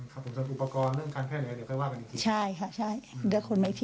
ครับผมอุปกรณ์เรื่องการแพทย์แหละเดี๋ยวค่อยว่ากันอีกที